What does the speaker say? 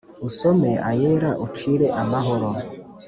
Usome ayera ucire amahoro